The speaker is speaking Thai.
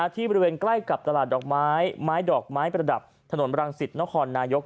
บริเวณใกล้กับตลาดดอกไม้ไม้ดอกไม้ประดับถนนบรังสิตนครนายก